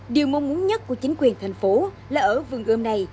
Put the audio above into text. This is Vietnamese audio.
điều mong muốn nhất của chính quyền thành phố là ở vườn ươm này